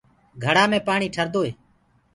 گھڙآ مي پآڻيٚ ٺردو هي